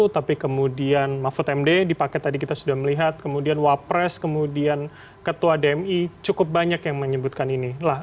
tapi kemudian mahfud md di paket tadi kita sudah melihat kemudian wapres kemudian ketua dmi cukup banyak yang menyebutkan ini